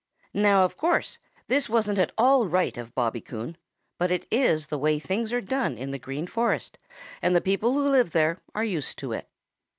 Now, of course, this wasn't at all right of Bobby Coon, but it is the way things are done in the Green Forest, and the people who live there are used to it.